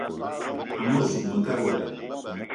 Amot zuga mekad wa dam: